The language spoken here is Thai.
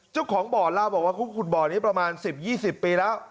เจ้าของเบาะเราบอกว่าคุณผู้ชมเบาะนี้ประมาณ๑๐๒๐ปีแล้ว